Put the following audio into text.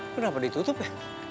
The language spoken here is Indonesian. kenapa ditutup ya